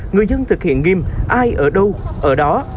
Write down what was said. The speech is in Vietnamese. người dân thực hiện nghiêm ai ở đâu ở đó